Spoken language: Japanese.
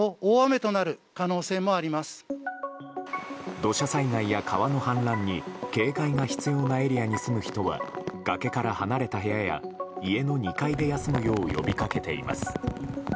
土砂災害や川の氾濫に警戒が必要なエリアに住む人は崖から離れた部屋や家の２階で休むよう呼びかけています。